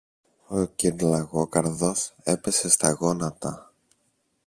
Ο κυρ-Λαγόκαρδος έπεσε στα γόνατα.